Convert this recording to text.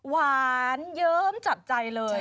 หวานเยิ้มจับใจเลย